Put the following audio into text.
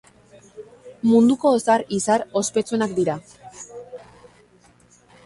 Munduko ozar-izar ospetsuenak dira.